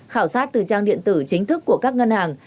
khảo sát từ trang điện tử chính thức của các ngân hàng